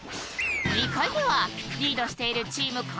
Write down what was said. ２回目はリードしているチーム